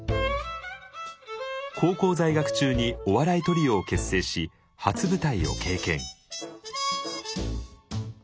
高校在学中にお笑いトリオを結成し初舞台を経験。